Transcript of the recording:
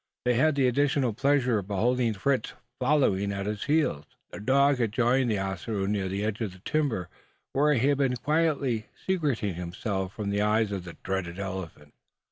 They had the additional pleasure of beholding Fritz following at his heels. The dog had joined Ossaroo near the edge of the timber where he had been quietly secreting himself from the eyes of the dreaded elephant.